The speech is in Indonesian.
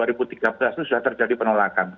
dua ribu tiga belas itu sudah terjadi penolakan